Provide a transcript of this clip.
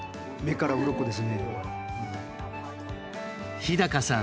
日さん